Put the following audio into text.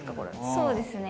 そうですね。